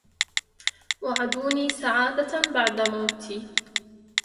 وعدوني سعادة بعد موتي